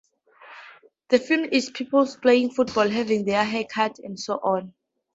The film is of people playing football, having their hair cut and so on.